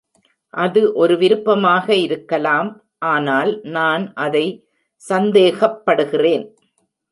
அது ஒரு விருப்பமாக இருக்கலாம், ஆனால் நான் அதை சந்தேகப்படுகிறேன்.